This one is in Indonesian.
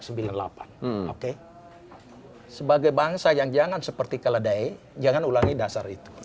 sebagai bangsa yang jangan seperti keledai jangan ulangi dasar itu